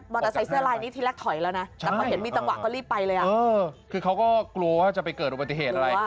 เตอร์ไซค์เสื้อลายนี้ที่แรกถอยแล้วนะแต่พอเห็นมีจังหวะก็รีบไปเลยคือเขาก็กลัวว่าจะไปเกิดอุบัติเหตุอะไร